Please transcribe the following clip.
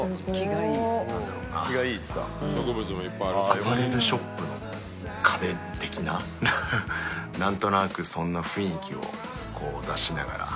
アパレルショップの壁的ななんとなくそんな雰囲気を出しながら。